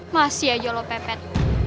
masih aja lo pepet